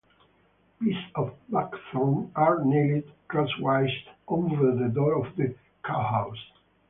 Pieces of buckthorn are nailed crosswise over the door of the cowhouse.